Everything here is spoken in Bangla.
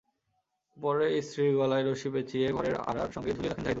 পরে স্ত্রীর গলায় রশি পেঁচিয়ে ঘরের আড়ার সঙ্গে ঝুলিয়ে রাখেন জাহিদুল।